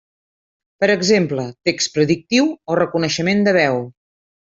Per exemple, text predictiu o reconeixement de veu.